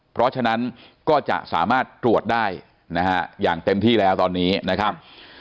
เพราะฉะนั้นก็จะสามารถตรวจได้นะฮะอย่างเต็มที่แล้วตอนนี้นะครับ